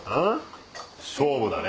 勝負だね。